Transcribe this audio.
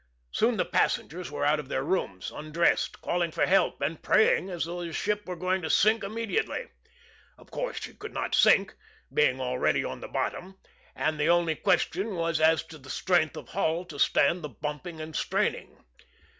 Soon the passengers were out of their rooms, undressed, calling for help, and praying as though the ship were going to sink immediately. Of course she could not sink, being already on the bottom, and the only question was as to the strength of hull to stand the bumping and straining.